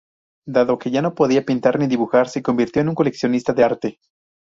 Dado que ya no podía pintar ni dibujar se convirtió en coleccionista de arte.